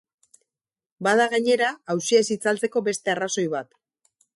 Bada, gainera, auzia ez itzaltzkeo beste arrazoi bat.